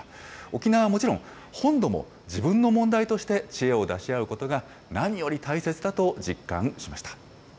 沖縄はもちろん、本土も自分の問題として知恵を出し合うことが何より大切だと実感しました。